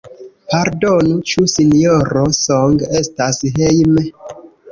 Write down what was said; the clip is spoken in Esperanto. Pardonu, ĉu Sinjoro Song estas hejme?